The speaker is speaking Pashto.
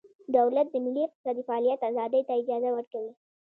دولت د ملي اقتصادي فعالیت ازادۍ ته اجازه ورکوي